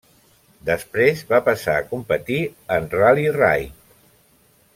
Després va passar a competir en Ral·li raid.